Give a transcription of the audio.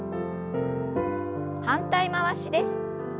反対回しです。